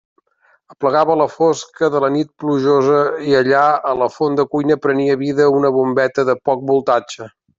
Aplegava la fosca de la nit plujosa i allà a la fonda cuina prenia vida una bombeta de poc voltatge.